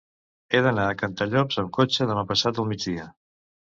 He d'anar a Cantallops amb cotxe demà passat al migdia.